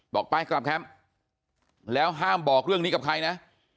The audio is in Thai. ไปกลับแคมป์แล้วห้ามบอกเรื่องนี้กับใครนะ